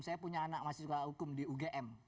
saya punya anak mahasiswa hukum di ugm